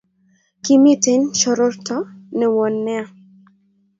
kimiten shororto newon nea